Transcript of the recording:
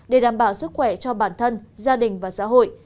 để đảm bảo sức khỏe cho bản thân gia đình và xã hội